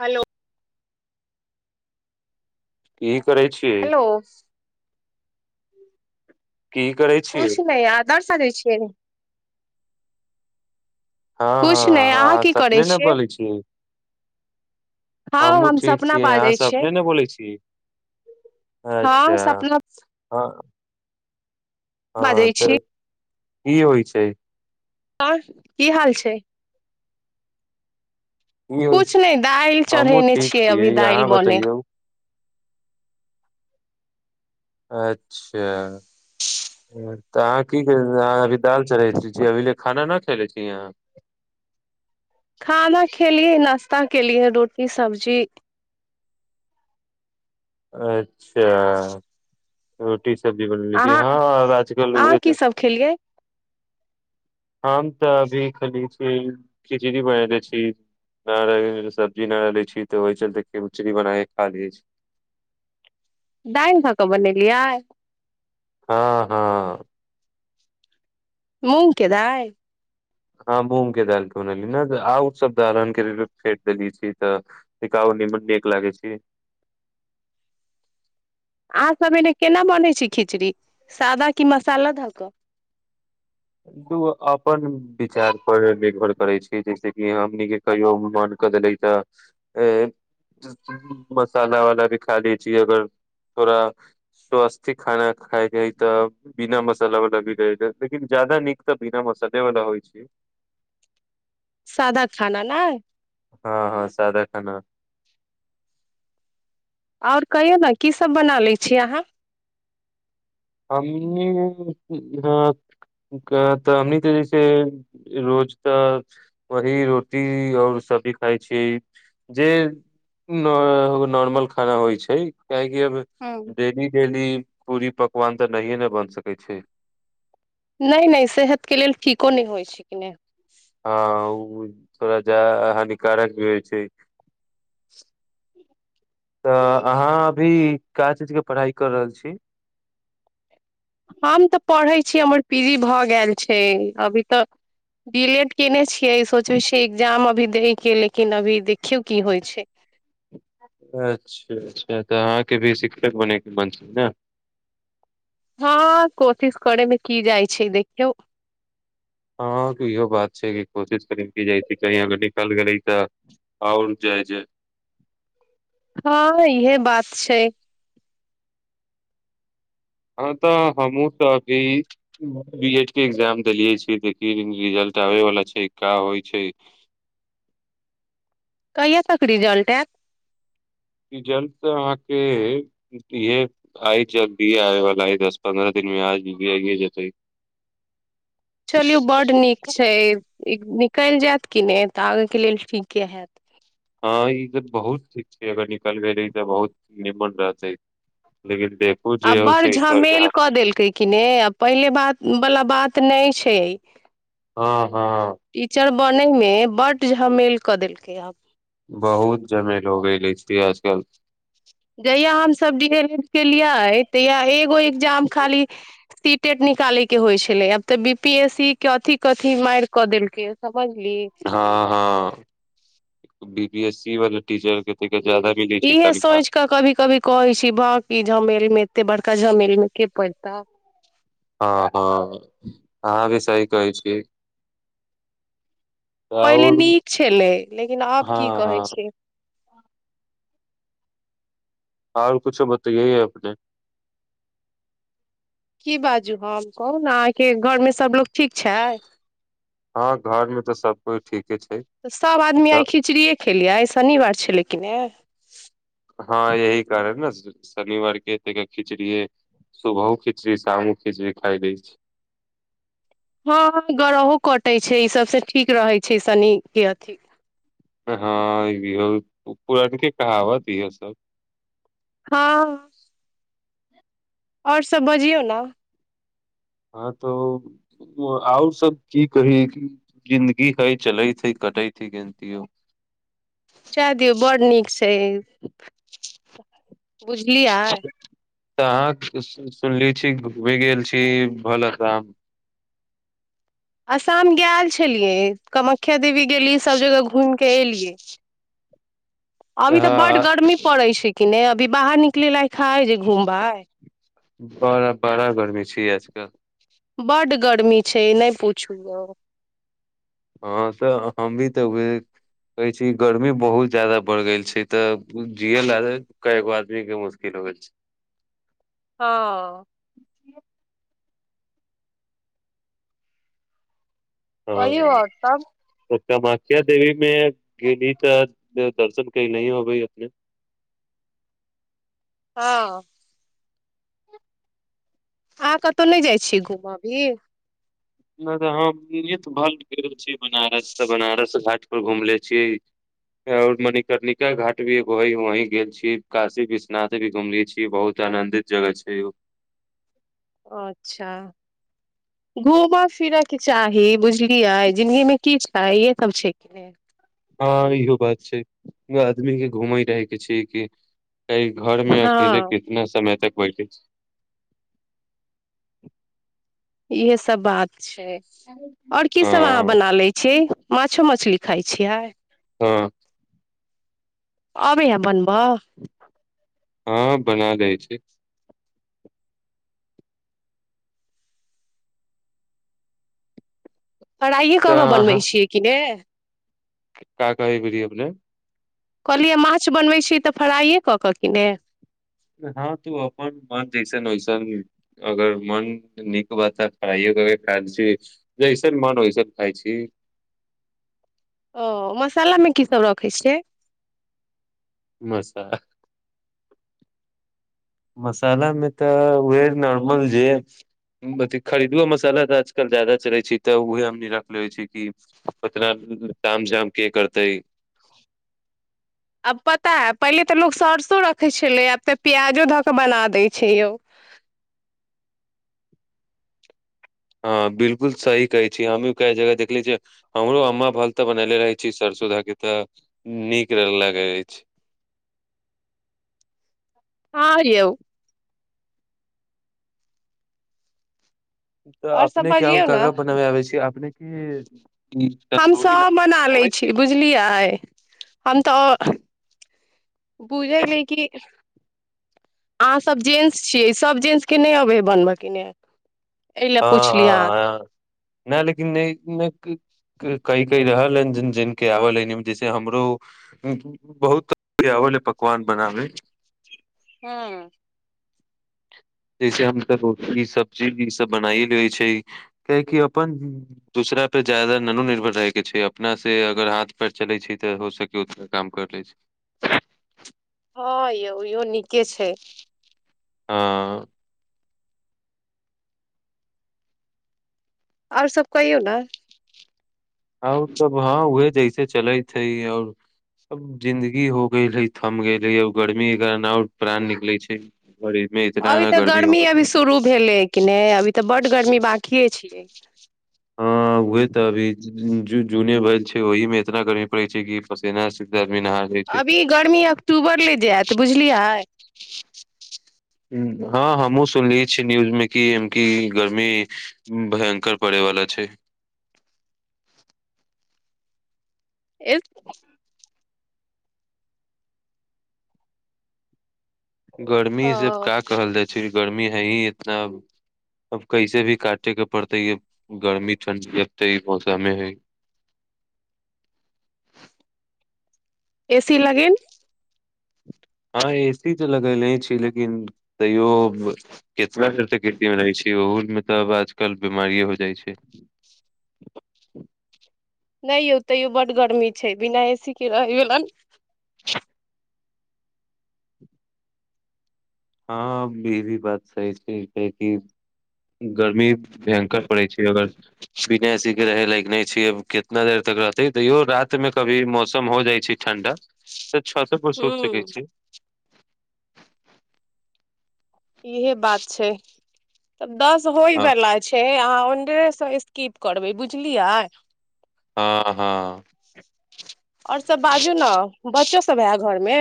hello ठीक की करय छियै हेलो की करै छियै कुछ नहि आदर्श सजे छी च हँ हँ अहाँ सपने ने बोलै छी हँ हमहूँ हम ठीक सपना छी अहाँ बाजै छियै सपने ने बोलै छी हँ अच्छा सपना हँ हँ बाजै त छी की ई होइ छै आओर की हाल छै की हो किछ नहि दालि हमहुँ चढ़ेने ठीक छियै अभी अहाँ दालि बने बतैयौ अच्छा तऽ अहाँ की अभी दाल चढ़ अभी ले खाना न खायले छी यहाँ खाना खेलियै नाश्ता केलिये लिए रोटी सब्जी अच्छा अच्छा ओ रोटी सब्जी बनवय छी अहाँ हँ आजकल ओ अहाँ की सब खेलियै हम तऽ अभी खाली छी खिचड़ी बननेे छी नहि रहल सब्जी नहि रहले छी तऽ ओहि चलते खिचड़ी बनाके खा लै छी दाईल धए कऽ बनेलियै हँ हँ मूँग के दाल हँ मूगके दाल बनेली आऊ सबदाहरणके फेट देली छी तऽ निकाउनी मन नीक लागै छी अहाँसभ एने केना बनैत छै खिचड़ी सादा कि मसाला धऽ कऽ अपन विचार पर निर्भर करै छै जैस कि हमने कहियो मन कऽ देले तऽ मसाला वाला भी खा ले छी अगर थोड़ास्वास्थ्य खाना खाायके हइ तऽ बिना मसाला वाला भी रह लेकिन ज्यादा नीक तऽ बिना मसले वाल होइ छै सादा खाना नए हँ हँ सादा खाना आओर कहियौ ने कीसभ बना लै छी अहाँ हमनी कऽ तऽ हमनी तऽ जैसे रोज तऽ वही रोटी आओर सब्जी खाइ छियै जे नॉर्मल खाना होइ छै किए की अब हूँ डेली डेली पूरी पक पकवान तऽ नहिए ने बन सकय छै नहि नहि सेहतके लेल ठीको नहि होइत छै कि नहि हँ ओ थोड़ा जा हानिकारक भी होइ छै तऽ अहाँ अभी का चीज क पढ़ाई कर रहल छी हम तऽ पढ़ै छियै हमर पी जी भऽ गेल छै अभी तऽ डी एल लेड कयने छियै सोचै छियै एग्जाम अभी दैके लेकिन अभी देखियौ की होइ छै अच्छा अच्छा तऽ अहाँके भी शिक्षक बने के मन छै न हँ कोशिश करय मे की जाइ छै देखियौ हँ इहो बात छै कि कोशिश करी क जइ छै कही अगर निकल गेलैय तऽ आओर जाइ जाइ हँ इहे बात छैय हँ तऽ हमहूँ त अभी बी एड के एग्जाम देलियै छियै देखिये रिजल्ट आबै वला छै का होइ छै कहिया तक रिजल्ट ऐत रिजल्ट तऽ आहाँके इहे फाई जल्दीये आबैय बला य दस पन्द्रह दिनमे आज भी आइे जतई चलियू बड नीक छै ई निकलि जायत कि नइ तऽ आगेके लेल ठीके हैत हँ ई त बहुत ठीक छै अगर निकल गेलै तऽ बहुत निमन रहतै लेकिन देखू आ जे हौ बड़ से ईश्वर के झमेल हाथ कऽ देलकै कि नै आ पहिले बात वला बात नहि छै हँ हँ नैय मे बड झमेल कऽ देलकै आब बहुत झमेल [unintelligible] जहिया हम सब डी एल एड केलियै तहिया एगो एजाम खाली सी टेट निकाले के होइ छलै आब तऽ बी पी एस सी के अथी कथी माइर कऽ देलकै समझली हँ हँ एक बी बी एस सी वाला टीचर के त ज्यादा मिलै छै इहे तनखा सोच कऽ कभी कभी कहै छी बकी झमेलमे एते बड़का जमीन मे के पड़त ह हँ आ भी सही कहै छी पहिले आओर नीक छलै लेकिन आब हँ की हँ कहैत छै हर कुछो बतइये अपने की बाजू हम कहू ने अहाँके घरमे सभलोग ठीक छै हँ घर मे तऽ सब कोइ ठीक तऽ सभ आदमी आइ खिचड़ीे खेलियै आइ शनिवार छलै कि ने हँ यह कारण ने शनिवार के त खिचड़ीे सुबहो खिचड़ी शामो खिचड़ी खााय लै छी हँ हँ ग्रहो कटै छै ई सभसँ ठीक रहै छै शनि के अथि हँ ई भी होल पुरनके कहावत इहो सब हँ आओर सभ बजियौ ने हँ तो आओर सब की कही जिन्दगी हइ चलय छै कटय छै कैसियो जय दिऔ बड नीक छै बुझलियै तऽ अहाँक सुनली छी घु भि गेल छी भल राम आसाम गेलल छलियै कामाख्या देवी गेलियै सभ जगह घूमि कऽ एलियै अभी तऽ बड गर्मी पड़ैत छै कि ने अ अभी बाहर निकले लायक है जे घूमबै बड़ा बड़ा गर्मी छै आजकल बड्ड गर्मी छै नहि पुछु तऽ हँ तऽ हम भी तऽ उ कहै छी गर्मी बहुत ज्यादा बढ़ गेल छै तऽ जिय लऽ कऽ गो आदमी के मुश्किल हो गेल छै हँ कहियौ आओर सब कमाख्या देवी मे गेली तऽ दर्शन की न होबै अपने हँ अहाँ कतहु नहि जाइ छी घूम अभी [unintelligible] छी बनारस तऽ बनारस घाट घुमले छियै और मणिकर्णिका घाट भी एगो है वही गेल छी काशी विश्वनाथ भी घुमले छियै बहुत आनंदित जगह छै अच्छा घुमय फिरय के चाही बुझलि यै जिन्गीमें की तऽ इहे सब छै कि हँ इहो बात छै आदमी के घूमै रहैके छै कि क घर में अकेले हँ कितना समय तक [unintelligible] इहे सब बात और की सब अहाँ हँ बना ले छीियै माछो मछली खाइ छियै हँ अइबै यै बनबअ हँ बना दै छी पढ़इए कऽ तऽ कऽ बनबै अहाँ छियै कि ने का कहैत रहियै अपने कहलियै माछ बनबैत छी तऽ फ्राइए कऽ कऽ कि ने हँ तू अपन मन जैसन वैसन अगर मन नीक बा तऽ ह खाइ कर खा ल छी जैसन मन वैसन खाइ छी ओ मसालामे किसभ रखै छियै मस मसालामे तऽ उह नॉर्मल जे अथ खरीदओ मसाला तऽ आजकल ज्यादा चलै छै तऽ उहे हमनी रखलेै छी कि उतना ताम जाम के करतै आब पता है पहिले तऽ लोक सरसो रखै छलै आब तऽ पियाजो धऽ कऽ बना दै छै यौ हँ बिलकुल सही कहै छी हमही कए जगह देखले छियै हमरो अम्मा भरके तऽ बनले रहै छी सरसो धाके तऽ नीक लगैत अछि आर यौ तऽ आओर सभ अपनेके आओर बजियौ का ने का बनाबै आबै छी अपनेके ई तन्दूरी हमसभ बना बनाबै लैत आबै छी बुझलियै छी बुझलियी कि अहाँसभ जेन्ट्स छियै सभ जेन्ट्सके नहि अबै हइ बनबयकेने हँ हँ नहि लेकिन कई कई रहल ज आ ह जैसे हमरो बहुत तरके आल है पकवान बनामे हँ जैसे हमसब रोटी सब्जी ईसभ बनाइ लै छै कियकि अपन दूसरा परर ज्यदाा ननोो निर्भर रहैके छै अपना से अगर हाथ पैर चलै छै तऽ हो सके उतना काम कर लै छै हँ यौ ओहिो नीके छै हँ आओर सब कइ हो ने आर तब हँ उह जैसे चलैत हइ आओर जिन्दगी हो गेल है थम गेल हैर गर्मी के कारण आओर प्राण निकलैत छै मे इतना अभी ने तऽ हो गर्मी अभी शुरू भेलै कि नहि अभी तऽ बड गर्मी ब खए छियै हँ उह तऽ अभी ज जूने भै छै ओहहि में इतना गर्मी पड़े छै कि पसीना से तऽ आदमी नहा जाइ छै अभी गर्मी अक्टूबर ले जायत बुझलियै खुश हँ हमहुूँ सुनलियै छी न्यूज मे की एमेकी गर्मी भयंकर पड़ेवाला छै एक गर्मी ओ से का कहल जाइ छै गर्मी हे अब कैसे भी काटेके पड़तै य गर्मी ठण्डी अब तऽ ई मौसममे है एसी लाग हँ ए सी तऽ लगेले छी लेकिन तैयो केतब कर सकीमे रहै छै ओहोमेलब आजकल बीमारीए हो जाइ छै नहि यौ तैयो बड गर्मी छै बिना एसी के रहै गेलन [unintelligible] हँ ई भी बात सही ठ छै कि गर्मी भयं्कर पड़ै छी अगर बिना सी के रहे लाग के नहि छै कितना देर तक रहते तैयो रात मे कभी मौसम हो जाइ छै ठण्डा छास पर सोल सकै हूँ छी इहे बात छै दस होय हँ वलाा छै आ पन्द्रह सए स्किप करबै बुझलियै हँ हँ आओर सब बाजू ने ब कच्चो सब है घरमे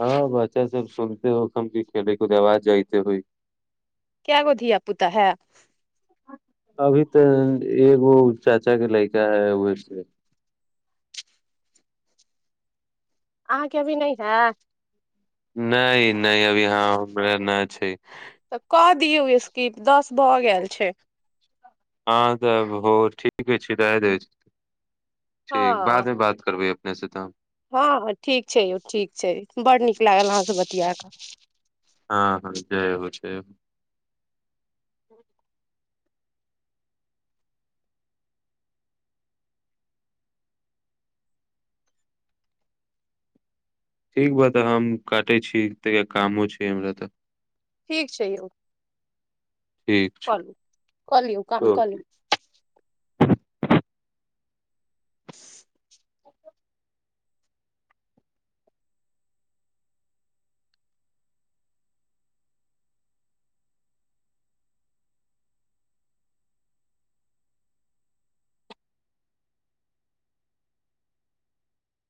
हँ बच्चा सब सुनते होखम की खेलै कूदे आवाज जाइते होइ काय गो धिया पुता है अभी तऽ एगो चाचा के लड़का है व अहाँके अभी न है नहि नहि अभी याँ हमरा नहि छै तऽ कऽ दियौ स्कीप दस भऽ गेल छै हँ तऽ भ ठीके छै राय द ठीक बादमे बात करबै वैसे तऽ हँ हँ ठीक छै यौ ठीक छै बड़ नीक लागल अहाँसभ बतिया कऽ हँ हँ छै छै ह ठीक बा तऽ हम काटै छी ता कामो छै हमरा तऽ ठीक छै यौ ठीक छै कऽ लू कऽ लियौ काम कऽ लियौ [unintelligible]